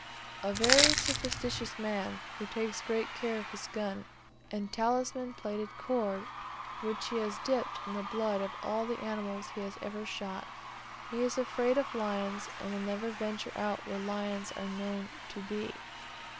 A very superstitious man, who takes great care of his gun, and talismanic plaited cord, which he has dipped in the blood of all the animals he has ever shot. He is afraid of lions, and will never venture out where lions are known to be.